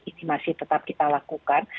ini masih tetap kita lakukan